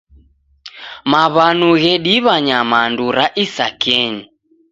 Maw'anu ghediw'a nyamandu ra isakenyi.